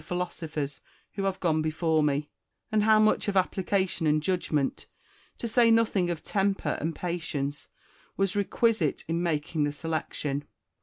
philosophers who have gone before me ; and how much of application and judgment, to say nothing of temper and patience, was requisite in making the selection.